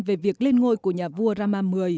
về việc lên ngôi của nhà vua rama x